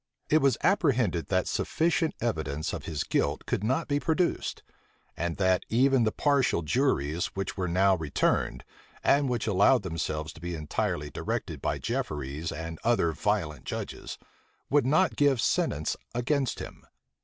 It was apprehended that sufficient evidence of his guilt could not be produced; and that even the partial juries which were now returned, and which allowed themselves to be entirely directed by Jefferies and other violent judges, would not give sentence against him.